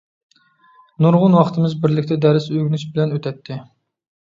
نۇرغۇن ۋاقتىمىز بىرلىكتە دەرس ئۆگىنىش بىلەن ئۆتەتتى.